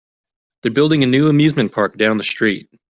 They're building a new amusement park down the street.